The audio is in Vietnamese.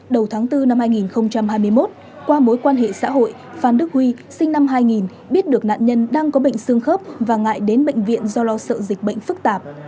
đầu tháng bốn năm hai nghìn hai mươi một qua mối quan hệ xã hội phan đức huy sinh năm hai nghìn biết được nạn nhân đang có bệnh xương khớp và ngại đến bệnh viện do lo sợ dịch bệnh phức tạp